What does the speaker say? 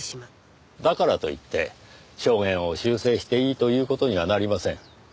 だからといって証言を修正していいという事にはなりません。